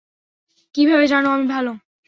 কীভাবে জান আমি ভাল?